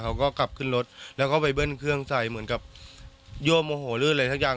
เขาก็กลับขึ้นรถแล้วก็ไปเบิ้ลเครื่องใส่เหมือนกับยั่วโมโหลื่นอะไรสักอย่าง